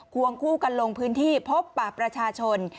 วงคู่กันลงพื้นที่พบปากประชาชน